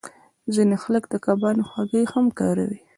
ځینې خلک د کبانو هګۍ هم کاروي